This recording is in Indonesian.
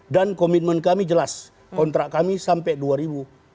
dan komitmen kami jelas kontrak kami sampai dua ribu dua puluh empat